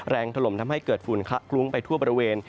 แรงทะลมทำให้เกิดฝูนคลักลุ้งไปทั่วบริเวณ